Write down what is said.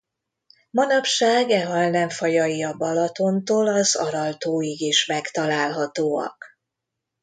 Manapság e halnem fajai a Balatontól az Aral-tóig is megtalálhatóak.